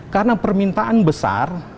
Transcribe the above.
karena permintaan besar